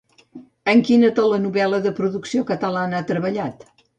En quina telenovel·la de producció catalana ha treballat?